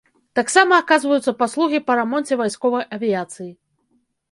Таксама аказваюцца паслугі па рамонце вайсковай авіяцыі.